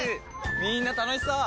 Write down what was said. みんな楽しそう！